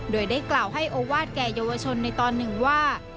โดยได้กล่าวให้โอวาสแก่เยาวชนในตอนหนึ่งว่า